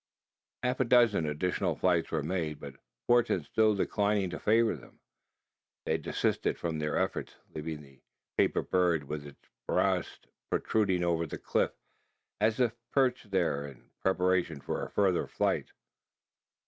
Half a dozen additional flights were made, but fortune still declining to favour them, they desisted from their efforts, leaving the paper bird with its breast protruding over the cliff: as if perched there in preparation for a further flight.